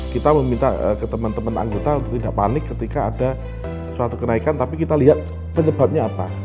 kita meminta ke teman teman anggota untuk tidak panik ketika ada suatu kenaikan tapi kita lihat penyebabnya apa